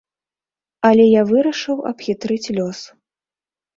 Але я вырашыў абхітрыць лёс.